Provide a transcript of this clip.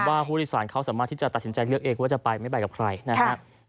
ว่าผู้โดยสารเขาสามารถที่จะตัดสินใจเลือกเองว่าจะไปไม่ไปกับใครนะครับ